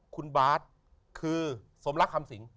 คุณบาทคือสมรักคำสิง